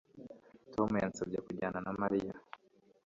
Tom yansabye kujyana na Mariya